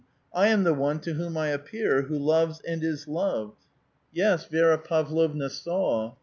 I am the one to whom I appear, who loves and is loved." Yes, Vi6ra Pavlovna saw.